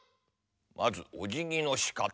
まずおじぎのしかた。